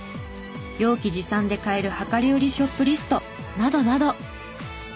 容器持参で買える量り売りショップリストなどなど。